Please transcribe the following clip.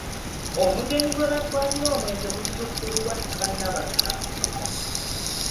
Omugenyi gw’otwalira omwenge muzzukulu wa Chwa Nabakka.